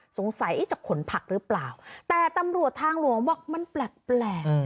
สงสัยจะขนผักหรือเปล่าแต่ตำรวจทางหลวงบอกมันแปลก